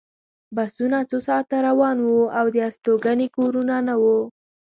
بسونه څو ساعته روان وو او د استوګنې کورونه نه وو